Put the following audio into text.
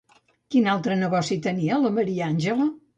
Quin altre negoci tenia la Maria Àngela?